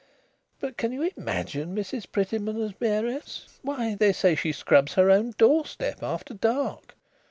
"But can you imagine Mrs Prettyman as mayoress? Why, they say she scrubs her own doorstep after dark.